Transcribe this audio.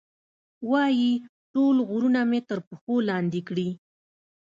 وایي، ټول غرونه مې تر پښو لاندې کړي.